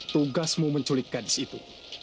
tugasmu menculik gadis itu